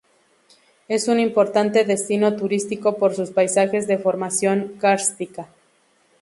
Es un importante destino turístico por sus paisajes de formación kárstica.